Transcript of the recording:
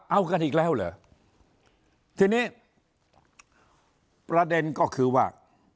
เอากันอีกแล้วเหรอทีนี้ประเด็นก็คือว่า